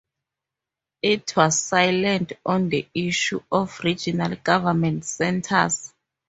It was silent on the issue of regional government centers.